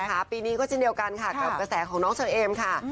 ถูกต้องนะคะปีนี้ก็จะเดียวกันค่ะกับกระแสของน้องเชอเอมค่ะ